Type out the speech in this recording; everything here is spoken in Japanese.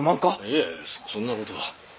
いえそんな事は。